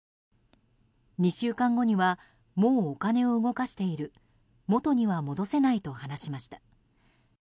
２週間後にはもうお金を動かしているもとには戻せないと話しました。